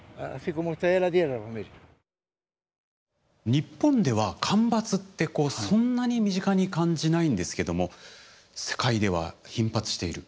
日本では干ばつってそんなに身近に感じないんですけども世界では頻発している。